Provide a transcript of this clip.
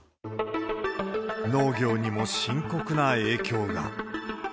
農業にも深刻な影響が。